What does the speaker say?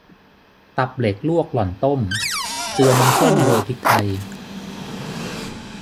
ตับเหล็กลวกหล่อนต้ม เจือน้ำส้มโรยพริกไทย